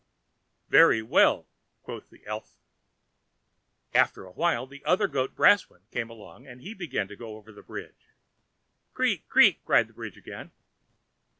"Very well," quoth the elf. After a while the other goat Brausewind came along, and he began to go over the bridge. "Creaky creak!" cried the bridge again.